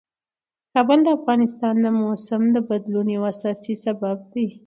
کابل د افغانستان د موسم د بدلون یو اساسي سبب دی.